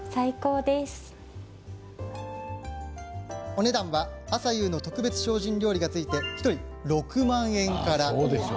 お値段は朝夕の特別精進料理がついて１人６万円から。